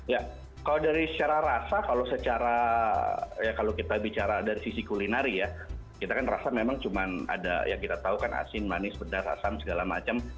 ya kalau dari secara rasa kalau secara ya kalau kita bicara dari sisi kulineri ya kita kan rasa memang cuma ada yang kita tahu kan asin manis pedas asam segala macam